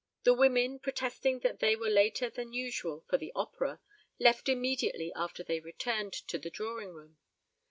The women, protesting that they were later than usual for the opera, left immediately after they returned to the drawing room.